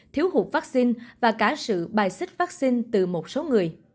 thiếu hụt vaccine và cả sự bài xích vaccine từ một số người